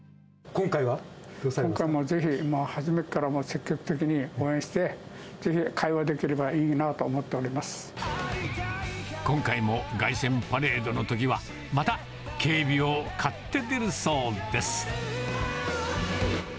今回もぜひ初めから積極的に応援して、会話できればいいなと今回も凱旋パレードのときは、また警備を買って出るそうです。